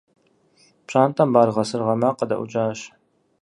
Пщӏантӏэм баргъэ-сыргъэ макъ къыдэӏукӏащ.